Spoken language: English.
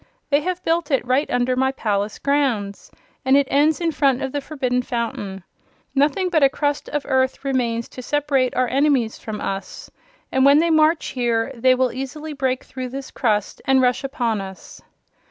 "They have built it right under my palace grounds, and it ends in front of the Forbidden Fountain. Nothing but a crust of earth remains to separate our enemies from us, and when they march here, they will easily break through this crust and rush upon us."